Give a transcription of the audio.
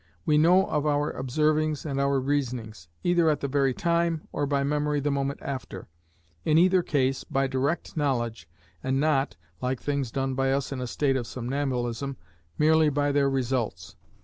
We know of our observings and our reasonings, either at the very time, or by memory the moment after; in either case, by direct knowledge, and not (like things done by us in a state of somnambulism) merely by their results.